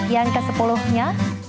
yang ke sepuluhnya